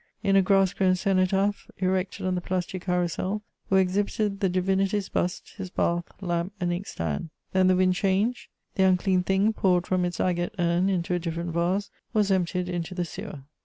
In a grass grown cenotaph, erected on the Place du Carrousel, were exhibited the divinity's bust, his bath, lamp, and inkstand. Then the wind changed: the unclean thing, poured from its agate urn into a different vase, was emptied into the sewer.